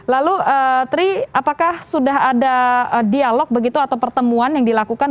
lalu tri apakah sudah ada dialog begitu atau pertemuan yang dilakukan